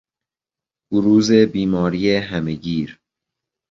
بروز بیماری همهگیر